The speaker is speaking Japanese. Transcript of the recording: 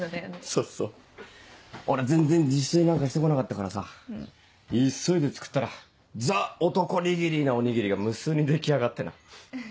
そうそう俺全然自炊なんかしてこなかったからさ急いで作ったら「ザ・男にぎり」なおにぎりが無数に出来上がってな。